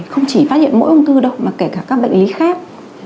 không chỉ phát hiện mỗi ung thư đâu mà kể cả các bệnh lý khác